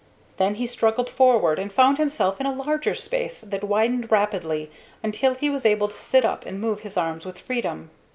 Then he struggled forward, and found himself in a larger space that widened rapidly until he was able to sit up and move his arms with freedom.